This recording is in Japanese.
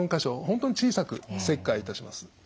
本当に小さく切開いたします。